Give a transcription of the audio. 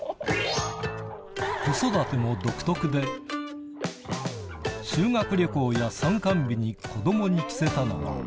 子育ても独特で、修学旅行や参観日に子どもに着せたのは。